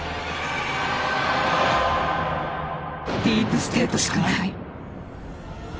「ディープステートしかない！」。